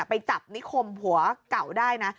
ไปจับนิคมผัวเก่าได้นะ